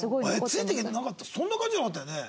そんな感じじゃなかったよね。